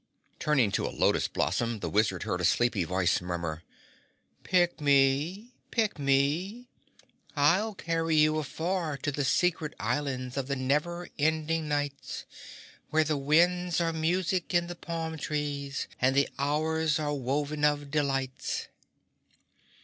Turning to a lotus blossom, the Wizard heard a sleepy voice murmur, "Pick me, pick me. I'll carry you afar to the secret islands of the never ending nights, where the winds are music in the palm trees and the hours are woven of delights."